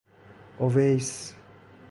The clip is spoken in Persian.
اویس